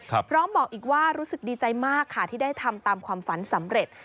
พร้อมบอกอีกว่ารู้สึกดีใจมากค่ะที่ได้ทำตามความฝันสำเร็จ